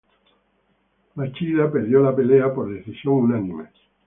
Machida perdió la pelea por decisión unánime.